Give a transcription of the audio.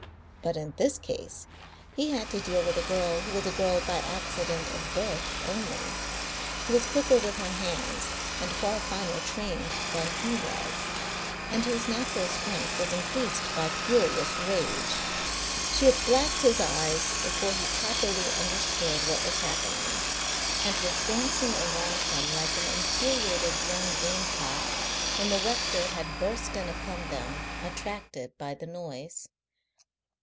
But in this case he had to deal with a girl who was a girl by accident of birth only, who was quicker with her hands and far finer trained than he was, and whose natural strength was increased by furious rage. She had blacked his eyes before he properly understood what was happening, and was dancing around him like an infuriated young gamecock when the rector had burst in upon them, attracted by the noise.